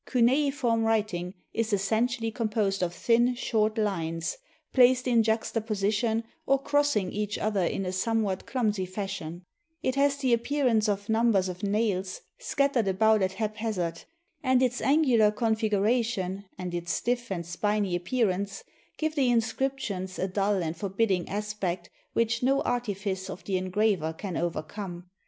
Cunei form writing is essentially composed of thin, short fines, placed in juxtaposition or crossing each other in a some 470 HOW THE CHALDEANS WROTE BOOKS what clumsy fashion; it has the appearance of numbers of nails scattered about at haphazard, and its angular configuration, and its stifl and spiny appearance, give the inscriptions a dull and forbidding aspect which no artifice of the engraver can overcome.